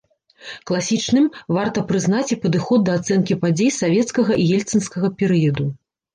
Класічным варта прызнаць і падыход да ацэнкі падзей савецкага і ельцынскага перыяду.